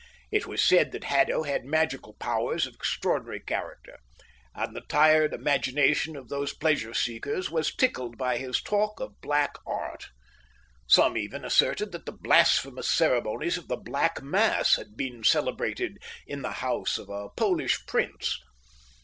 It was said that Haddo had magical powers of extraordinary character, and the tired imagination of those pleasure seekers was tickled by his talk of black art. Some even asserted that the blasphemous ceremonies of the Black Mass had been celebrated in the house of a Polish Prince.